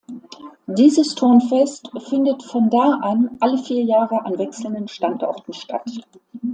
Dieses Turnfest findet von da an alle vier Jahre an wechselnden Standorten statt.